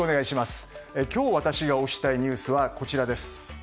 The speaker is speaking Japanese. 今日私が推したいニュースはこちら。